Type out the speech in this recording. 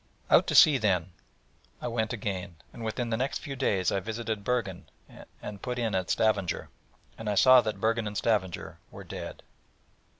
Out to sea, then, I went again; and within the next few days I visited Bergen, and put in at Stavanger. And I saw that Bergen and Stavanger were dead.